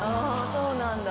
・そうなんだ。